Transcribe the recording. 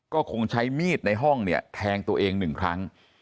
ก็คงใช้มีดในห้องเนี่ยแทงตัวเองหนึ่งครั้ง